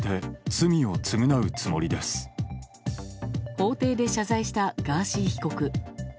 法廷で謝罪したガーシー被告。